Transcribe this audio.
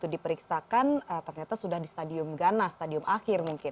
diperiksakan ternyata sudah di stadium ganas stadium akhir mungkin